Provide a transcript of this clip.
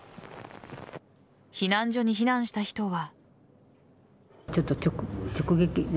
避難所に避難した人は。